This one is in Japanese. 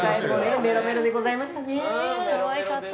メロメロでございましたね。